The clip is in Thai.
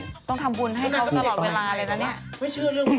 ต้องทำบุญให้เขาตลอดเวลาเลยนะเนี่ย